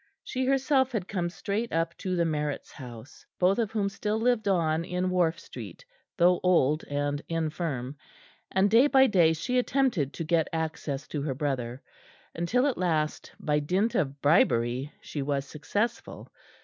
She herself had come straight up to the Marretts' house, both of whom still lived on in Wharf Street, though old and infirm; and day by day she attempted to get access to her brother; until at last, by dint of bribery, she was successful.